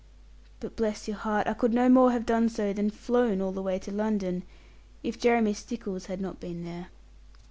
But bless your heart, I could no more have done so than flown all the way to London if Jeremy Stickles had not been there.